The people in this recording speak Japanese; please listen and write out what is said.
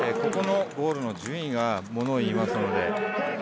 このゴールの順位がものを言いますので。